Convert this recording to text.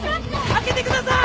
開けてください。